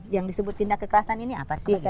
yang disebut tindak kekerasan ini apa sih gitu kan